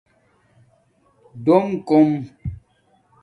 ڈݸم کُوم